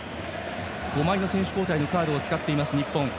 ５枚、選手交代のカードを使っています日本。